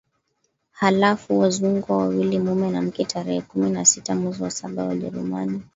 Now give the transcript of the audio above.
halafu Wazungwa wawili mume na mke Tarehe kumi na sita mwezi wa saba Wajerumani